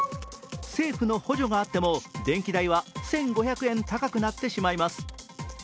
政府の補助があっても電気代は１５００円高くなってしまいます。